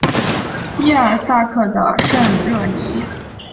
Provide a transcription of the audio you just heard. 耶尔萨克的圣热尼。